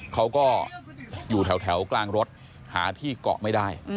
เขาก็อยู่แถวกลางรถหาที่เกาะไม่ได้